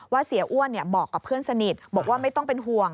เสียอ้วนบอกกับเพื่อนสนิทบอกว่าไม่ต้องเป็นห่วง